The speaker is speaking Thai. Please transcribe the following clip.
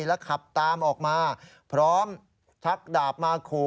แล้วขับตามออกมาพร้อมชักดาบมาขู่